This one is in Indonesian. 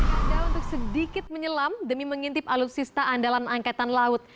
anda untuk sedikit menyelam demi mengintip alutsista andalan angkatan laut